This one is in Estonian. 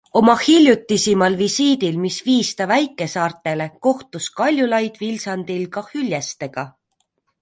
Oma hiljutisimal visiidil, mis viis ta väikesaartele, kohtus Kaljulaid Vilsandil ka hüljestega.